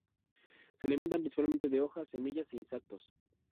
Se alimentan principalmente de hojas, semillas, e insectos.